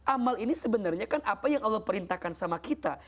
amal ini sebenarnya kan apa yang allah perintahkan sama kita